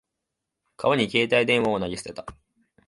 川に携帯電話を投げ捨てた。